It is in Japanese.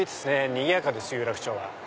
にぎやかです有楽町は。